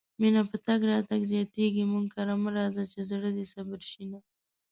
مينه په تګ راتګ زياتيږي مونږ کره مه راځه چې زړه دې صبر شينه